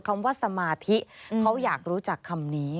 คำว่าสมาธิเขาอยากรู้จักคำนี้